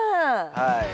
はい。